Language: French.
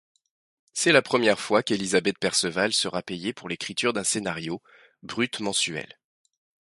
C’est la première fois qu’Élisabeth Perceval sera payée pour l’écriture d’un scénario, bruts mensuel.